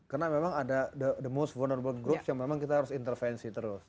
karena memang ada the most vulnerable group yang memang kita harus intervensi terus